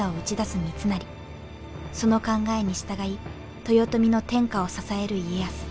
その考えに従い豊臣の天下を支える家康。